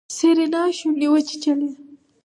سېرېنا شونډې وچيچلې.